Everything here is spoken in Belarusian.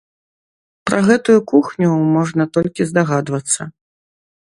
Пра гэтую кухню можна толькі здагадвацца.